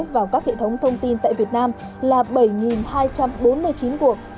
vào các hệ thống thông tin tại việt nam là bảy hai trăm bốn mươi chín cuộc